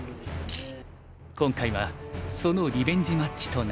今回はそのリベンジマッチとなる。